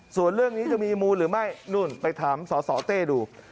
ส่วนเรื่องนี้จะมีมูลหรือไม่นู่นไปถามสสเต้ดู